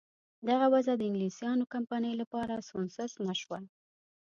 دغه وضع د انګلیسیانو کمپنۍ لپاره سونسزمه شوه.